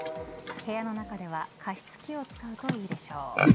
部屋の中では加湿器を使うといいでしょう。